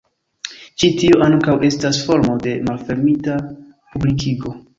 Ĉi tio ankaŭ estas formo de malfermita publikigo.